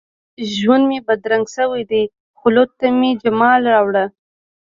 ژوند مي بدرنګ شوی دي، خلوت ته مي جمال راوړه